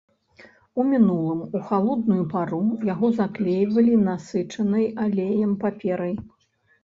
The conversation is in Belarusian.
У мінулым у халодную пару яго заклейвалі насычанай алеем паперай.